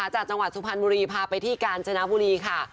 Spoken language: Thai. จากจังหวัดสุพรรณบุรีพาไปที่กาญจนบุรีค่ะ